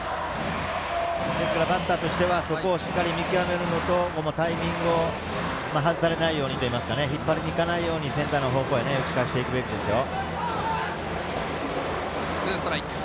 ですから、バッターはそれをしっかり見極めるのとタイミングを外されないように引っ張りに行かないようにセンターの方向へ打ち返していくべきですよ。